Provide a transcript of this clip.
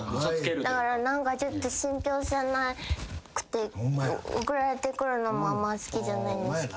だから信ぴょう性なくて送られてくるのもあんま好きじゃないんですけど。